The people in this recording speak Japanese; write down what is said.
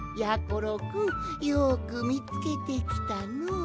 ころくんよくみつけてきたの。